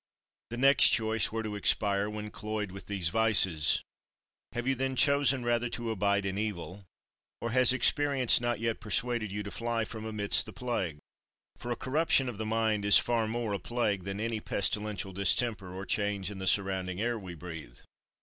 The next choice were to expire when cloyed with these vices. Have you then chosen rather to abide in evil; or has experience not yet persuaded you to fly from amidst the plague? For a corruption of the mind is far more a plague than any pestilential distemper or change in the surrounding air we breathe.